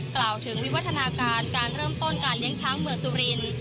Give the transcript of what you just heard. กล่าวถึงวิวัฒนาการการเริ่มต้นการเลี้ยงช้างเมืองสุรินทร์